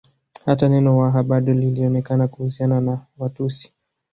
Hata neno Waha bado lilionekana kuhusiana na Watusi